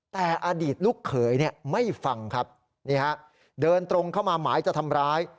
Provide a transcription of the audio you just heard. แต่อดีตรุกเขยไม่ฟังเดินตรงเข้ามาหมายจะทำร้าย